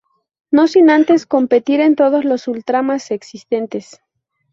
No sin antes competir en todos los Ultraman existentes.